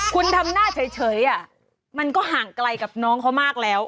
คุณทำหน้าเฉยมันก็ห่างไกลกับน้องเขามากแล้ว